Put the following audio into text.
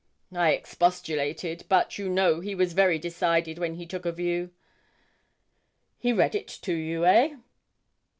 I expostulated, but you know he was very decided when he took a view. He read it to you, eh?'